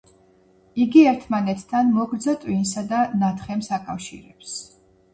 იგი ერთმანეთთან მოგრძო ტვინსა და ნათხემს აკავშირებს.